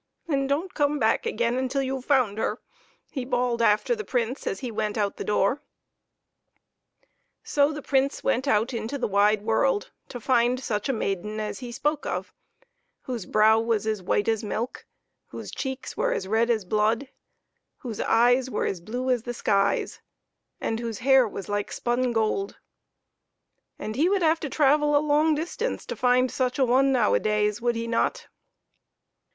"And don't come back again till you've found her!" he bawled after the Prince as he went out to the door. So the Prince went out into the wide world to find such a maiden as he spoke of whose brow was as white as milk, whose cheeks were as red as blood, whose eyes were as blue as the skies, and whose hair was like spun gold and he would have to travel a long distance to find such a one nowadays ; would he not